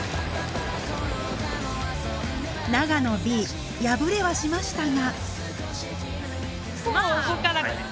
長野Ｂ敗れはしましたが。